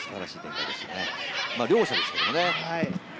両者ですけどもね。